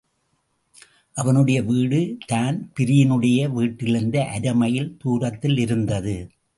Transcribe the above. அவனுடைய வீடு தான்பிரீனுடைய வீட்டிலிருந்து அரைமைல் துரத்திலிருந்தது.